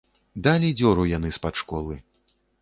Далі дзёру яны з-пад школы.